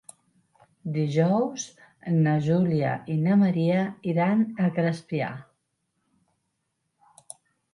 Dijous na Júlia i na Maria iran a Crespià.